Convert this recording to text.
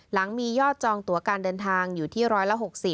หลังมียอดจองตัวการเดินทางอยู่ที่๑๖๐